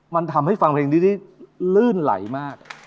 มันทำให้ฟังเพลงนี้ได้ลื่นไหลมาก